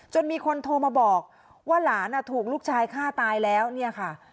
มีคนโทรมาบอกว่าหลานถูกลูกชายฆ่าตายแล้วเนี่ยค่ะ